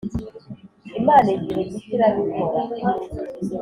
imana igihe gito irabikora